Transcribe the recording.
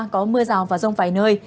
có mưa rào và rông vài nơi